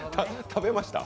食べました？